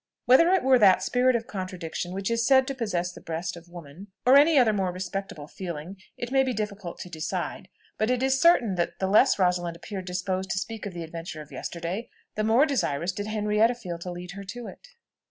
Whether it were that spirit of contradiction which is said to possess the breast of woman, or any other more respectable feeling, it may be difficult to decide, but it is certain that the less Rosalind appeared disposed to speak of the adventure of yesterday, the more desirous did Henrietta feel to lead her to it.